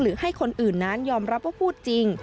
ให้คนอื่นนั้นยอมรับว่าพูดจริง